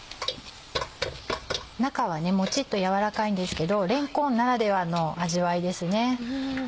中はモチっと軟らかいんですけどれんこんならではの味わいですね。